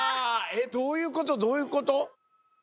どういうことどういうこと？